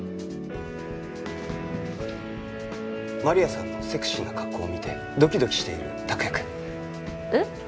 マリアさんのセクシーな格好を見てドキドキしている託也くん。